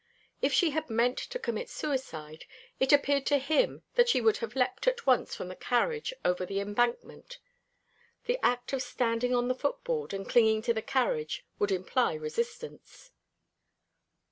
If she had meant to commit suicide, it appeared to him that she would have leapt at once from the carriage over the embankment. The act of standing on the footboard and clinging to the carriage would imply resistance.